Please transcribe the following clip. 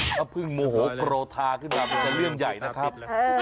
ถ้าเพิ่งโมโหกรทาขึ้นมามันจะเรื่องใหญ่นะครับ